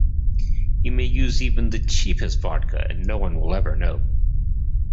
You may use even the cheapest vodka, and no one will ever know.